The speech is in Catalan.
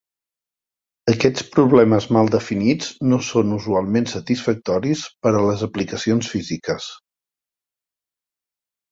Aquests problemes mal definits no són usualment satisfactoris per a les aplicacions físiques.